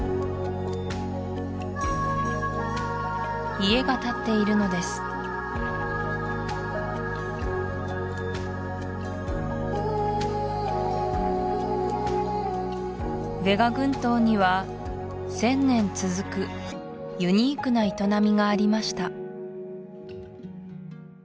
家が立っているのですヴェガ群島には１０００年続くユニークな営みがありました